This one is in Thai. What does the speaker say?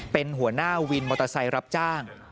เป็นหัวหน้าวินมอเตอร์ไซค์รับจ้าง